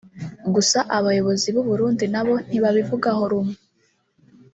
gusa Abayobozi b’u Burundi nabo ntibabivugaho rumwe